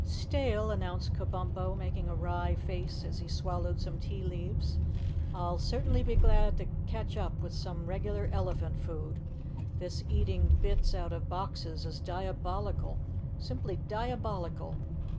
"Stale," announced Kabumpo, making a wry face as he swallowed some tea leaves. "I'll certainly be glad to catch up with some regular elephant food. This eating bits out of boxes is diabolical simply diabolical!